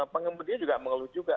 pengemudinya juga mengeluh juga